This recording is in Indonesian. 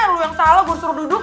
lu yang salah gue suruh duduk